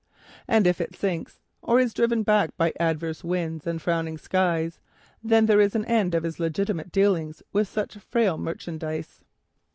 And if it sinks or is driven back by adverse winds and frowning skies, there is an end of his legitimate dealings with such frail merchandise.